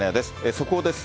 速報です。